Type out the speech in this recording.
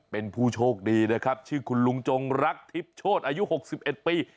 เป็นผู้โชคดีนะครับชื่อคุณลุงจงรักทิพย์โชธอายุ๖๑ปี